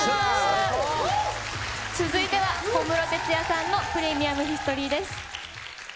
続いては小室哲哉さんのプレミアムヒストリーです。